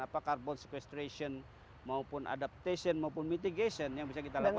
kegiatan karbon sequestration maupun adaptation maupun mitigation yang bisa kita lakukan